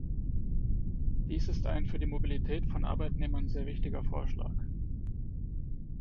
Dies ist ein für die Mobilität von Arbeitnehmern sehr wichtiger Vorschlag.